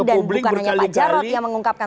dan bukan hanya pak jarot yang mengungkapkan